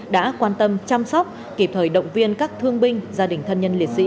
đã quan tâm chăm sóc kịp thời động viên các thương binh gia đình thân nhân liệt sĩ